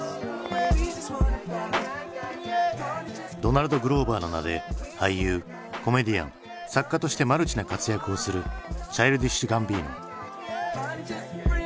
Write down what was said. ドナルド・グローバーの名で俳優コメディアン作家としてマルチな活躍をするチャイルディッシュ・ガンビーノ。